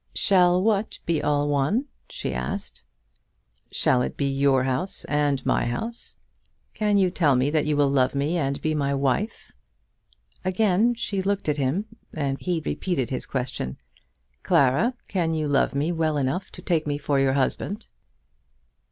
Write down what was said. "Shall what be all one?" she asked. "Shall it be your house and my house? Can you tell me that you will love me and be my wife?" Again she looked at him, and he repeated his question. "Clara, can you love me well enough to take me for your husband?"